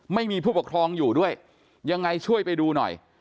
ไม่มีผู้ปกครองอยู่ด้วยยังไงช่วยไปดูหน่อย